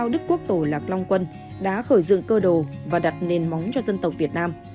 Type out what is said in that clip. dựng cơ đồ và đặt nền móng cho dân tộc việt nam